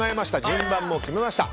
順番も決めました。